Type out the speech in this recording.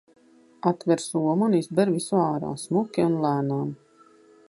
Atver somu un izber visu ārā, smuki un lēnām.